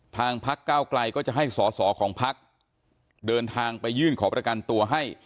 พักเก้าไกลก็จะให้สอสอของพักเดินทางไปยื่นขอประกันตัวให้